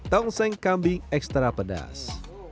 tongseng kambing ekstra pedas